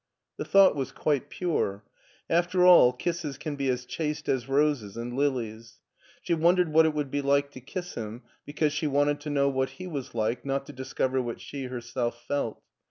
The thought was quite pure. After all, kisses can be as chaste as roses and lilies. She wondered what it would be like to kiss him, because she wanted to know what he was like, not to discover what she her self felt.